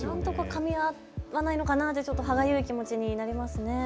かみ合わないのかなと歯がゆい気持ちになります。